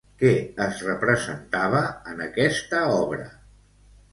Que es representava en aquesta obra?